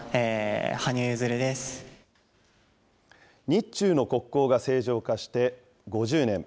日中の国交が正常化して５０年。